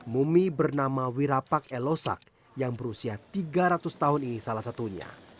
mumi bernama wirapak elosak yang berusia tiga ratus tahun ini salah satunya